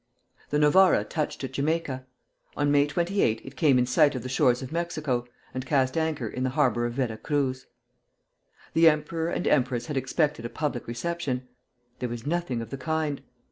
The "Novara" touched at Jamaica. On May 28 it came in sight of the shores of Mexico, and cast anchor in the harbor of Vera Cruz. The emperor and empress had expected a public reception. There was nothing of the kind.